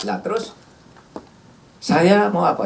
nah terus saya mau apa